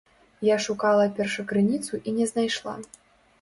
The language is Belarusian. Я шукала першакрыніцу і не знайшла.